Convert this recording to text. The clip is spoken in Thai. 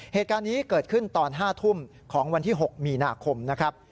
เหตุการณ์นี้เกิดขึ้นตอน๕ทุ่มของวันที่๖มีนาคมนะครับ